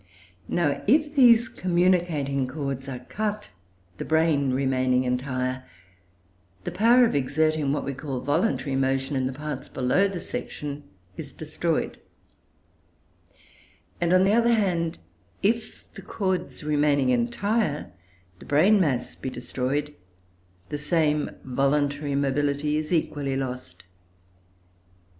Now, if these communicating cords are cut, the brain remaining entire, the power of exerting what we call voluntary motion in the parts below the section is destroyed; and, on the other hand, if, the cords remaining entire, the brain mass be destroyed, the same voluntary mobility is equally lost.